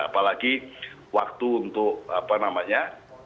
apalagi waktu untuk apa namanya